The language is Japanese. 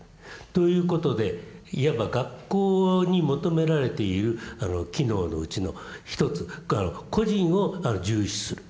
ということでいわば学校に求められている機能のうちの一つ個人を重視する。